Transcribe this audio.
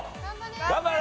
頑張れ！